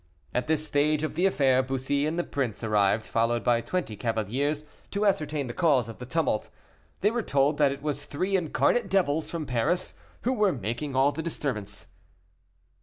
At this stage of the affair Bussy and the prince arrived, followed by twenty cavaliers, to ascertain the cause of the tumult. They were told that it was three incarnate devils from Paris who were making all the disturbance.